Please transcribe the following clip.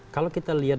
kalau kita lihat